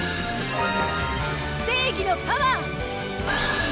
正義のパワー！